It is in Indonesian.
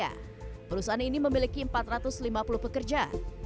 pabrik penculupan ini memiliki empat ratus lima puluh pekerja